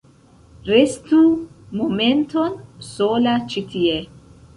Restu momenton sola ĉi tie.